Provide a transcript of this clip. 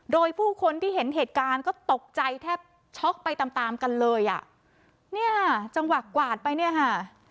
โดยผู้คนที่เห็นเหตุการณ์ก็ตกใจแทบช็อกไปตามตามกันเลยอ่ะเนี่ยจังหวะกวาดไปเนี่ยค่ะ